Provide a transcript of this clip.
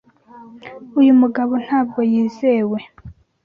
Uyu mugabo ntabwo yizewe.